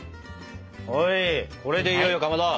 はいこれでいよいよかまど。